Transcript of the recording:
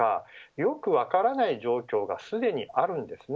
よく分からない状況がすでにあるんですね。